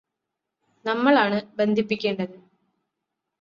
നമ്മളാണ് ബന്ധിപ്പിക്കേണ്ടത്